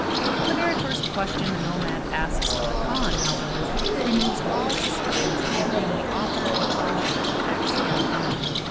The very first question the nomad asks of the khan, however, removes all suspicions of his being the author and publisher of X. M. M.